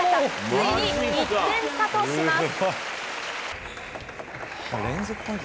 ついに１点差とします。